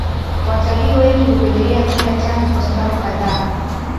Watalii wengi hupendelea kwenda Tanga kwa sababu kadhaa